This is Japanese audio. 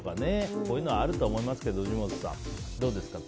こういうのはあると思いますが藤本さん、どうですか。